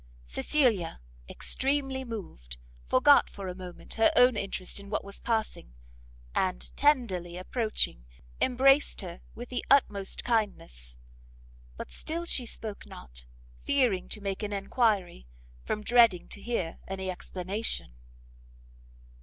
Cecilia, extremely moved, forgot for a moment her own interest in what was passing, and tenderly approaching, embraced her with the utmost kindness; but still she spoke not, fearing to make an enquiry, from dreading to hear any explanation.